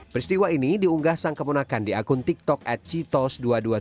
peristiwa ini diunggah sang keponakan di akun tiktok at citos dua ratus dua puluh tujuh